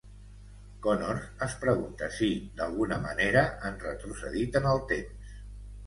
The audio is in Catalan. Connors es pregunta si, d'alguna manera, han retrocedit en el temps.